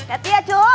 ket ya cu